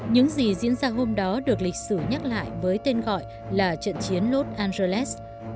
những gì diễn ra hôm đó được lịch sử nhắc lại với tên gọi là trận chiến los angeles